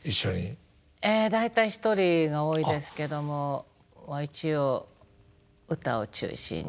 え大体一人が多いですけどもまあ一応歌を中心に。